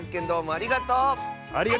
ありがとう！